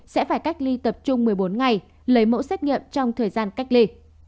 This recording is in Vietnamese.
sẽ phải cách ly tập trung một mươi bốn ngày lấy mẫu xét nghiệm trong thời gian cách ly